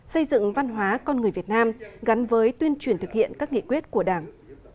xây dựng văn hóa con người việt nam gắn với tuyên truyền thực hiện các nghị quyết của đảng